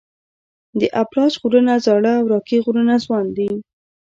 د اپلاش غرونه زاړه او راکي غرونه ځوان دي.